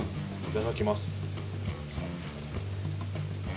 いただきます。